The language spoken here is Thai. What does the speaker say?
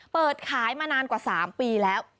เปิดขายมานานกว่า๓ปีแล้ว